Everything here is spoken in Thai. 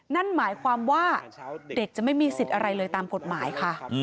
นั่นหมายความว่าเด็กจะไม่มีสิทธิ์อะไรเลยตามกฎหมายค่ะ